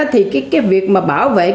thì cái việc mà bảo vệ